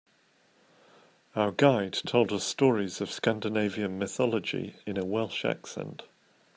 Our guide told us stories of Scandinavian mythology in a Welsh accent.